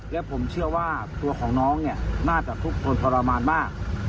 และผมเชื่อว่าตัวของน้องเนี่ยน่าจะทุกคนทรมานมาก